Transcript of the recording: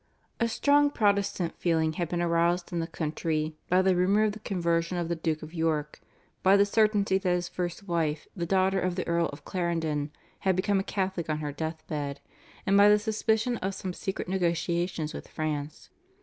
A strong Protestant feeling had been aroused in the country by the rumour of the conversion of the Duke of York, by the certainty that his first wife, the daughter of the Earl of Clarendon, had become a Catholic on her death bed, and by the suspicion of some secret negotiations with France.